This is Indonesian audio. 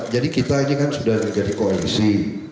jadi kita ini kan sudah menjadi koalisi